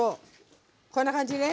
こんな感じね。